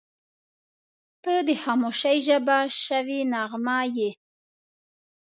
• ته د خاموشۍ ژبه شوې نغمه یې.